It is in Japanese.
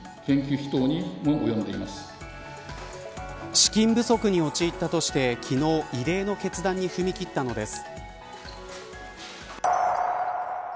資金不足に陥ったとして昨日、異例の決断に踏み切ったのです。